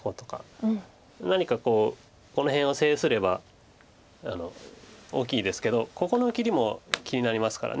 何かこうこの辺を制すれば大きいですけどここの切りも気になりますから。